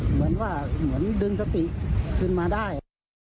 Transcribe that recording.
เหมือนว่าเหมือนดึงสติขึ้นมาได้